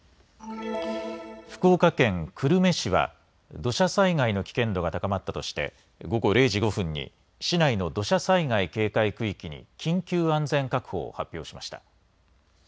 福岡県久留米市は土砂災害の危険度が高まったとして午後０時５分に市内の土砂災害警戒区域に緊急安全確保を発表しました。